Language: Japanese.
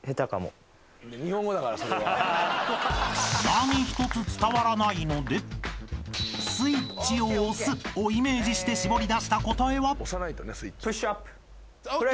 ［何一つ伝わらないのでスイッチを押すをイメージして絞り出した答えは］